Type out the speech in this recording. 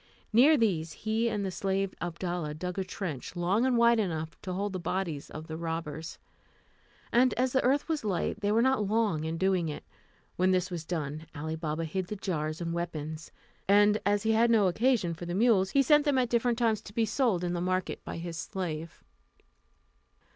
Near these he and the slave Abdalla dug a trench, long and wide enough to hold the bodies of the robbers; and as the earth was light, they were not long in doing it. When this was done, Ali Baba hid the jars and weapons; and as he had no occasion for the mules, he sent them at different times to be sold in the market by his slave.